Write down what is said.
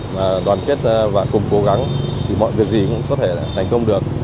và đoàn kết và cùng cố gắng thì mọi việc gì cũng có thể thành công được